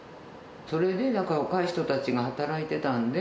それでだから若い人たちが働いてたんで、